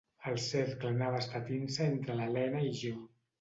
El cercle anava estretint-se entre l’Elena i jo.